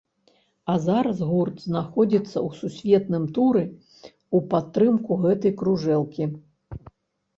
А зараз гурт знаходзіцца ў сусветным туры ў падтрымку гэтай кружэлкі.